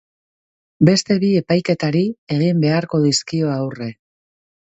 Beste bi epaiketari egin beharko dizkio aurre.